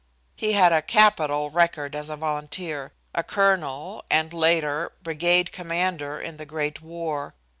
He had a capital record as a volunteer a colonel and, later, brigade commander in the great war.